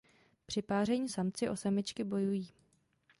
Při páření samci o samičky bojují.